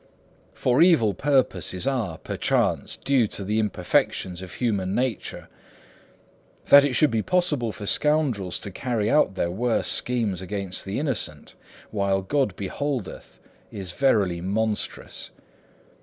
For evil purposes are, perchance, due to the imperfection of human nature; that it should be possible for scoundrels to carry out their worst schemes against the innocent, while God beholdeth, is verily monstrous.